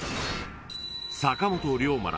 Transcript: ［坂本龍馬ら